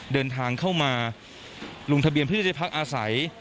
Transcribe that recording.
เดินทางเข้ามาลงทะเบียนพแรงใต้พักอาศัย